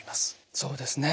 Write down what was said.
そうですね。